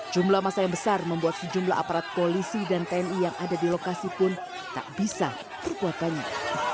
jumlah masa yang besar membuat sejumlah aparat polisi dan tni yang ada di lokasi pun tak bisa berbuat banyak